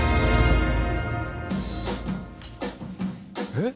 えっ？